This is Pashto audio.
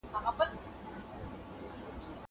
هغه وويل چي کتابونه ګټور دي!!